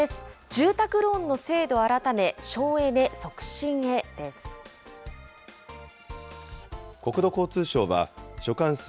住宅ローンの制度改め、省エネ促進へです。